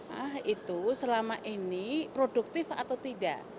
nah itu selama ini produktif atau tidak